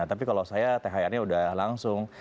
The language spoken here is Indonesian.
tapi kalau saya thrnya sudah langsung